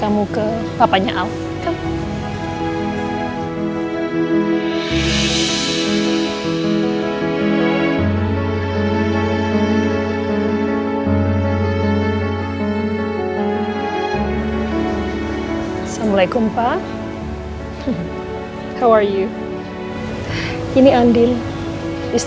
bukankah dia cantik